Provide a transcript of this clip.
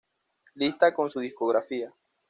Lista con su discografía.